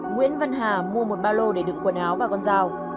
nguyễn văn hà mua một ba lô để đựng quần áo và con dao